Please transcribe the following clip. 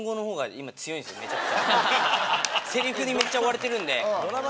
セリフにめっちゃ追われてるんで。